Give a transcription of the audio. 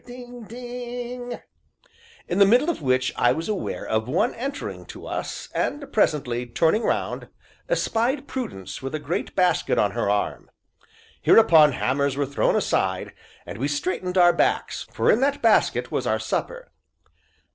ding! ding!" in the middle of which I was aware of one entering to us, and presently, turning round, espied Prudence with a great basket on her arm. Hereupon hammers were thrown aside, and we straightened our backs, for in that basket was our supper.